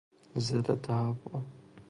ضد تهوع